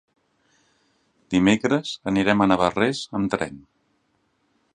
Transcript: Dimecres anirem a Navarrés amb tren.